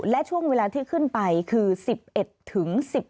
และช่วงเวลาที่ขึ้นไปคือ๑๑ถึง๑๕